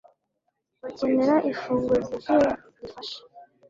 bakenera ifunguro ryuzuye rifasha